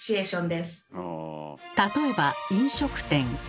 例えば飲食店。